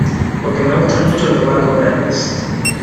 porque me gustan mucho los barcos grandes.